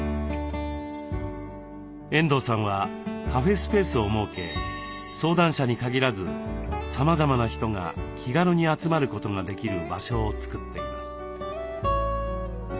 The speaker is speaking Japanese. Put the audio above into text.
遠藤さんはカフェスペースを設け相談者に限らずさまざまな人が気軽に集まることができる場所を作っています。